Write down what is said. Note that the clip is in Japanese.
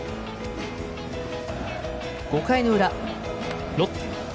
５回の裏、ロッテ。